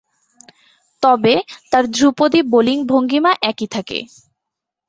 তবে, তার ধ্রুপদী বোলিং ভঙ্গীমা একই থাকে।